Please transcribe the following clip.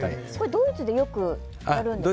ドイツでよくやるんですか？